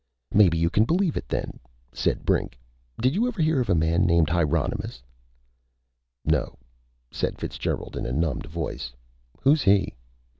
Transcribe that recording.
"Maybe you can believe it, then," said Brink. "Did you ever hear of a man named Hieronymus?" "No," said Fitzgerald in a numbed voice. "Who's he?"